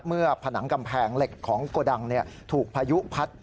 เมื่อผนังกำแพงเหล็กของโกดังเนี่ยถูกพายุพัด